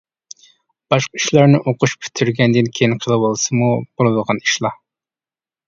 باشقا ئىشلارنى ئوقۇش پۈتتۈرگەندىن كىيىن قىلىۋالسىمۇ بولىدىغان ئىشلار.